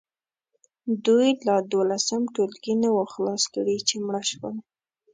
دوی لا دولسم ټولګی نه وو خلاص کړی چې مړه شول.